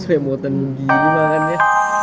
seremotan gini makannya